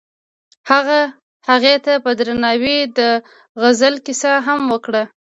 هغه هغې ته په درناوي د غزل کیسه هم وکړه.